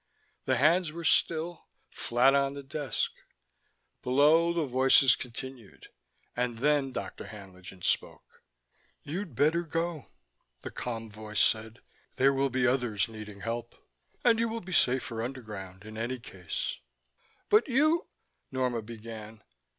The hands were still, flat on the desk. Below, the voices continued: and then Dr. Haenlingen spoke. "You'd better go," the calm voice said. "There will be others needing help and you will be safer underground, in any case." "But you " Norma began.